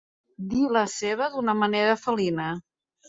Dir la seva d'una manera felina.